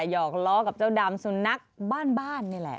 หอกล้อกับเจ้าดำสุนัขบ้านนี่แหละ